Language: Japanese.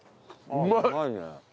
うまいね。